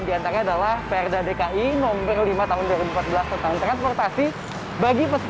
di antaranya adalah prd dki nomor lima tahun dua ribu empat belas tentang transportasi bagi pesepeda motor